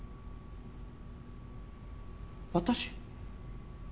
私？